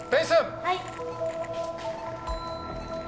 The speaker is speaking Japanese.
はい。